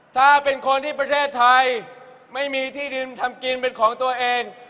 ถ้าเป็นคนที่ประเทศไทยไม่มีที่ดินทำกินเป็นของตัวเอง